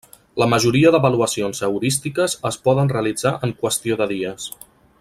La majoria d'avaluacions heurístiques es poden realitzar en qüestió de dies.